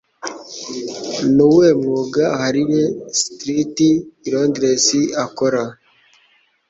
Nuwuhe mwuga Harley Street i Londres akora?